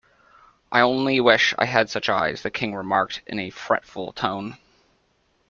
‘I only wish I had such eyes,’ the King remarked in a fretful tone.